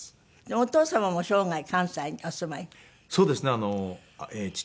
お父様も生涯関西にお住まいで。